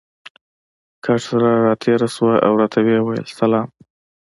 کټ ته را تېره شوه او راته یې وویل: سلام.